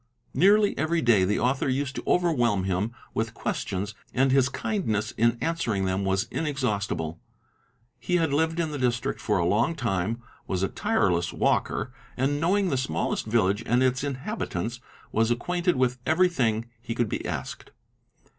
Nearly every day the author used to overwhelm him with questions and his kindness in answering them was inex haustible. He had lived in the district for a long time, was a tireless walker, and, knowing the smallest village and its inhabitants, was f quainted with every thing he could be asked.